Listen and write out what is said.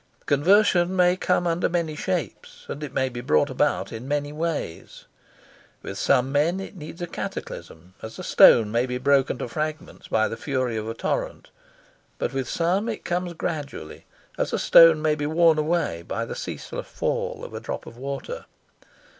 Conversion may come under many shapes, and it may be brought about in many ways. With some men it needs a cataclysm, as a stone may be broken to fragments by the fury of a torrent; but with some it comes gradually, as a stone may be worn away by the ceaseless fall of a drop of water.